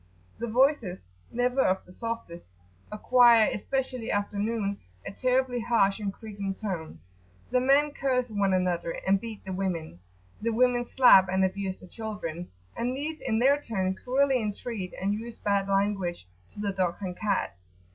[p.75]Their voices, never of the softest, acquire, especially after noon, a terribly harsh and creaking tone. The men curse one another[FN#1] and beat the women. The women slap and abuse the children, and these in their turn cruelly entreat, and use bad language to, the dogs and cats.